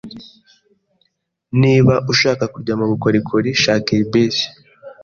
Niba ushaka kujya mubukorikori, shaka iyi bus.